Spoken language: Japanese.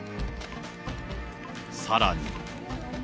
さらに。